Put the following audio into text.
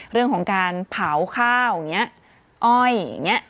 เรื่องของการเผาข้าวอย่างนี้อ้อยอย่างนี้